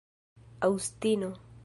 aŭstino